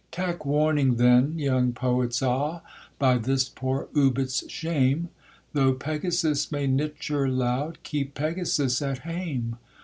Tak' warning then, young poets a', by this poor oubit's shame; Though Pegasus may nicher loud, keep Pegasus at hame.